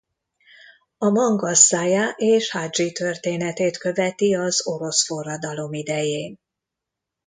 A manga Szaja és Hadzsi történetét követi az orosz forradalom idején.